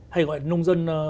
hay gọi là nông dân